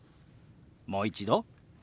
もう一度。